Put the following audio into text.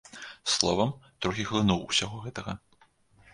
Словам, трохі глынуў усяго гэтага.